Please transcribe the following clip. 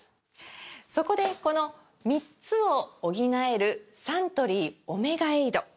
そこでこの３つを補えるサントリー「オメガエイド」！